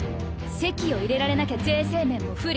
籍を入れられなきゃ税制面も不利。